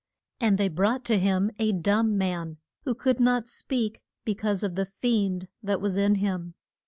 And they brought to him a dumb man who could not speak be cause of the fiend that was in him.